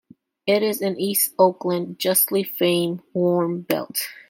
It is in East Oakland's justly famed 'warm belt'.